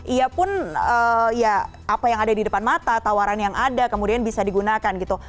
ia pun ya apa yang ada di depan mata tawaran yang ada kemudian bisa digunakan gitu